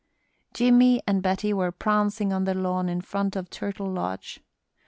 Jimmie and Betty were prancing on the lawn in front of Turtle Lodge.